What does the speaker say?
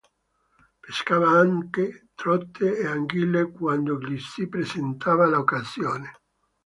Pescava anche trote e anguille quando gli si presentava l'occasione.